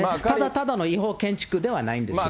ただの違法建築ではないんですよね。